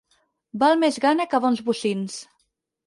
Val més gana que bons bocins.